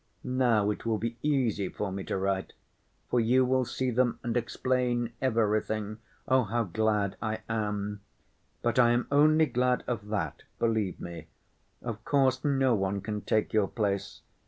Now it will be easy for me to write, for you will see them and explain everything. Oh, how glad I am! But I am only glad of that, believe me. Of course, no one can take your place....